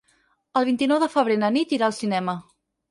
El vint-i-nou de febrer na Nit irà al cinema.